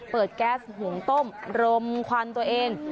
ถือแก๊สหุ่งต้มรมความตัวเอง